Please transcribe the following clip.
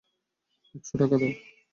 একশো টাকা দাও।